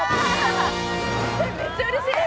えっ、めっちゃうれしい！